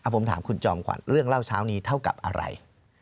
ผมถามคุณจอมขวัญเรื่องเล่าเช้านี้เท่ากับอะไร